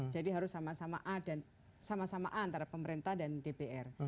jadi harus sama sama a antara pemerintah dan dpr